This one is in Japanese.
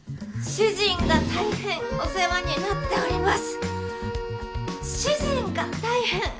主人がたいへんお世話になっております。